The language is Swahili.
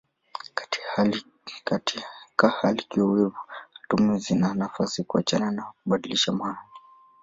Katika hali kiowevu atomu zina nafasi ya kuachana na kubadilishana mahali.